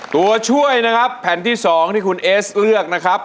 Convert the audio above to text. ตัวช่วยนะครับแผ่นที่๒ที่คุณเอสเลือกนะครับ